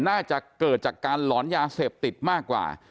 น่าจะเกิดจากการหลอนยาเสพติดมากกว่า